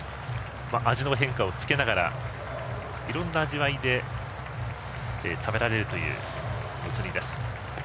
味の変化をつけながらいろんな味わいで食べられるというもつ煮です。